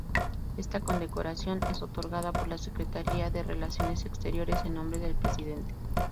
Esta condecoración es otorgada por la Secretaría de Relaciones Exteriores, en nombre del Presidente.